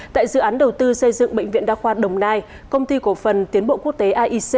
tại dự án đầu tư xây dựng bệnh viện đa khoa đồng nai công ty cổ phần tiến bộ quốc tế aic